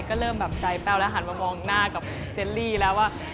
ก็เริ่มแบบใจแป้วแล้วหันมามองหน้ากับเจลลี่แล้วว่า